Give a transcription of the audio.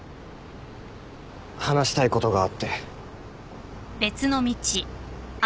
話したいことがあって。